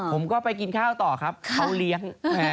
ผมก็ไปกินข้าวต่อครับเขาเลี้ยง